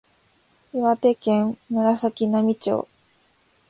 岩手県紫波町